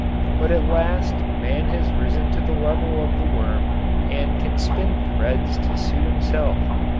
But at last man has risen to the level of the worm and can spin threads to suit himself.